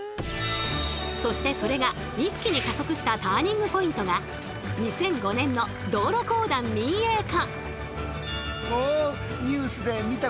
そしてそれが一気に加速したターニングポイントが２００５年の道路公団民営化。